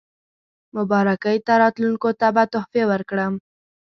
مبارکۍ ته راتلونکو ته به تحفې ورکړم.